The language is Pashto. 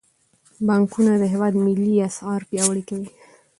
بانکونه د هیواد ملي اسعار پیاوړي کوي.